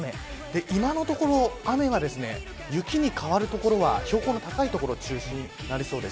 今のところ、雨が雪に変わる所は、標高の高い所中心になりそうです。